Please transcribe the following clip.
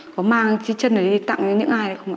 có mang chiếc chân này đi tặng cho những ai không ạ